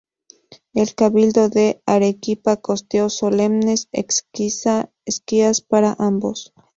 El cabildo de Arequipa costeó solemnes exequias para ambos.